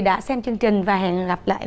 đã xem chương trình và hẹn gặp lại